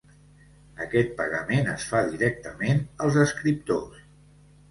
Aquest pagament es fa directament als escriptors.